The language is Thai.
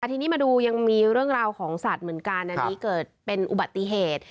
ทีนี้มาดูยังมีเรื่องราวของสัตว์เหมือนกันอันนี้เกิดเป็นอุบัติเหตุ